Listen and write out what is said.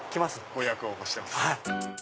ご予約をお待ちしてます。